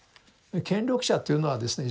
権力者というのはですね